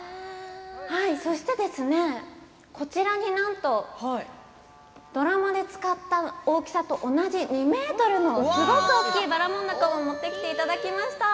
そしてですね、こちらになんとドラマで使った大きさと同じ２ｍのすごく大きいばらもん凧を持ってきていただきました。